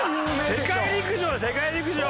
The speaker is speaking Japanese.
世界陸上よ世界陸上！